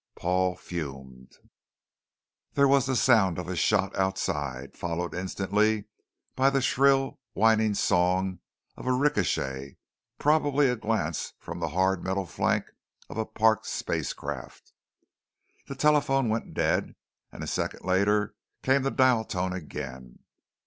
Paul fumed. There was the sound of a shot outside, followed instantly by the shrill, whining song of a ricochet, probably a glance from the hard metal flank of a parked spacecraft. The telephone went dead and a second later came the dial tone again.